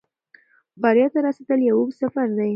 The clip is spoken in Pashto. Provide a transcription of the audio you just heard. بریا ته رسېدل یو اوږد سفر دی.